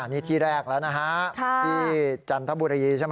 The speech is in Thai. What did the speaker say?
นี่ที่แรกแล้วนะฮะที่จันทบุรีใช่ไหม